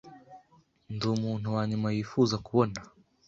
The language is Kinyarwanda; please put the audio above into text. Ndi umuntu wanyuma yifuza kubona.